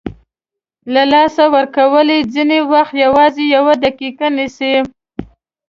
له لاسه ورکول یې ځینې وخت یوازې یوه دقیقه نیسي.